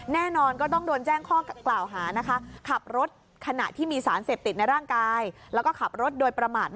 แน่นอนก็ต้องโดนแจ้งข้อกล่าวหานะคะ